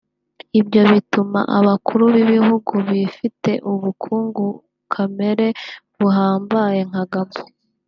Ibyo bituma abakuru b’ibihugu bifite ubukungu kamere buhambaye nka Gabon